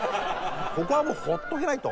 ここはもう放っておけないと。